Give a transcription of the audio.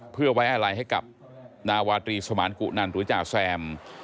เพื่อไว้อะไรให้กับนาวาตรีสมานกุนันหรือจ่าแซม